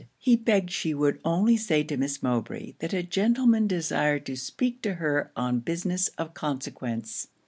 He begged she would only say to Miss Mowbray that a gentleman desired to speak to her on business of consequence.